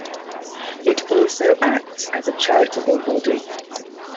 It also acts as a charitable body.